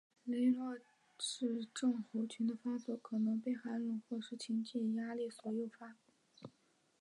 雷诺氏症候群的发作可能被寒冷或是情绪压力所诱发。